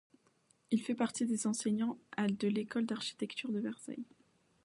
Il fait partie des enseignants de l'École d'architecture de Versailles.